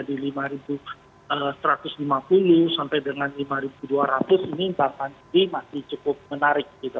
di lima satu ratus lima puluh sampai dengan rp lima dua ratus ini bahkan ini masih cukup menarik gitu